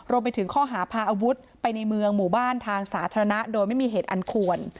รวมไปถึงข้อหาพาอาวุธไปในเมืองหมู่บ้านทางสาธารณะโดยไม่มีเหตุอันควร